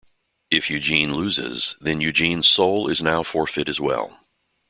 If Eugene loses, then Eugene's soul is now forfeit as well.